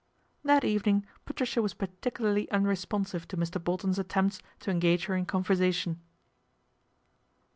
That evening Patricia was particularly unre sponsive to Mr. Bolton's attempts to engage he: in conversation.